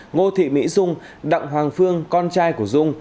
ngô thị mỹ dung đặng hoàng phương con trai của dung